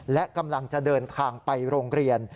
และกำลังจะเดินทางไปโรงเรียน